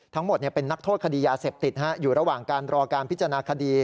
ทั้งหมดเป็นนักโทษคดียาเสพติด